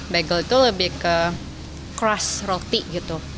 bagel itu lebih ke crush roti gitu